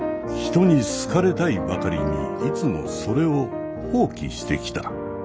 人に好かれたいばかりにいつもそれを放棄してきた。